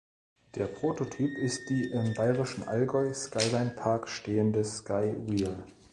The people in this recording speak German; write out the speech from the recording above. Der Prototyp ist die im bayerischen Allgäu Skyline Park stehende Sky Wheel.